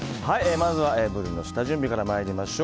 まずは、ブリの下準備から参りましょう。